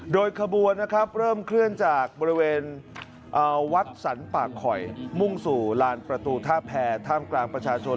โดยขบัวนะครับเริ่มเคลื่อนจากบริเวณวัดสรรปากข่อย